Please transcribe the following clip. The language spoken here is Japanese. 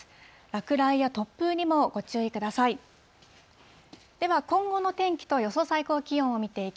落雷や突風にもご注意ください。